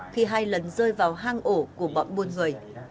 khi hai lần rơi vào hang ổ của bọn buôn người